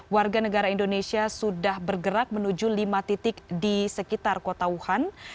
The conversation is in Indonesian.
warga negara indonesia sudah bergerak menuju lima titik di sekitar kota wuhan